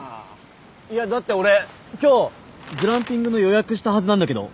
いやだって俺今日グランピングの予約したはずなんだけど。